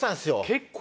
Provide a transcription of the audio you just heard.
結構。